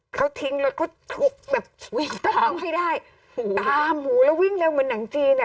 เขาทิ้งรถเขาฉุกแบบวิ่งตามให้ได้ตามหูแล้ววิ่งเร็วเหมือนหนังจีนอ่ะ